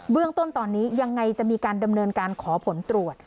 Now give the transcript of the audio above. เรื่องต้นตอนนี้ยังไงจะมีการดำเนินการขอผลตรวจ